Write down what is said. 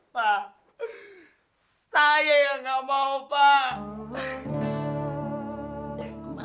begini anak muda